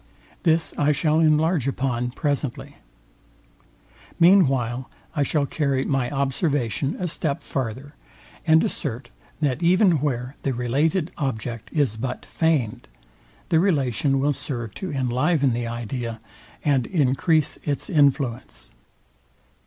This I shall enlarge upon presently. Mean while I shall carry my observation a step farther, and assert, that even where the related object is but feigned, the relation will serve to enliven the idea, and encrease its influence.